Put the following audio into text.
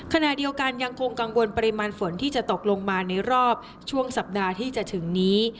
ขณะเดียวกันยังคงกังวลปริมาณฝนที่จะตกลงมาในรอบช่วงสัปดาห์ที่จะถึงนี้